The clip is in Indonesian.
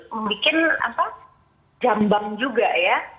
membuat jambang juga ya